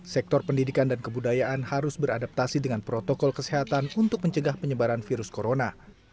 sektor pendidikan dan kebudayaan harus beradaptasi dengan protokol kesehatan untuk mencegah penyebaran virus corona